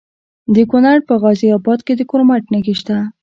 د کونړ په غازي اباد کې د کرومایټ نښې شته.